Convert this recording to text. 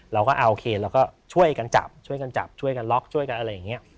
เราก็โอเคเราก็ช่วยกันจับช่วยกันจับช่วยกันล็อกช่วยกันอะไรอย่างนี้